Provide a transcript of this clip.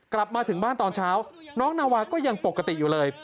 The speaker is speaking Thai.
กลับมาถึงบ้านตอนเช้าน้องนาวาก็ยังปกติอยู่เลย